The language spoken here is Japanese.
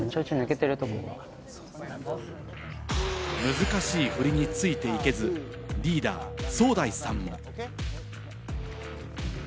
難しい振りについて行けず、リーダー・ソウダイさんも。